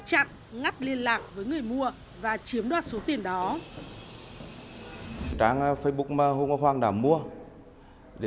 chặn ngắt liên lạc với người mua và chiếm đoạt số tiền đó trang facebook mà hôn hoa khoang đã mua để